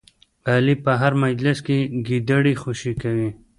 علي په هر مجلس کې ګیدړې خوشې کوي.